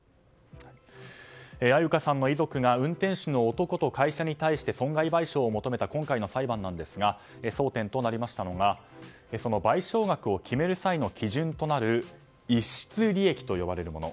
安優香さんの遺族が運転手の男と会社に対して損害賠償を求めた今回の裁判なんですが争点となりましたのが賠償額を決める際の基準となる逸失利益と呼ばれるもの。